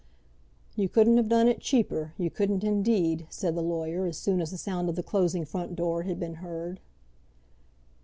"You couldn't have done it cheaper; you couldn't, indeed," said the lawyer, as soon as the sound of the closing front door had been heard.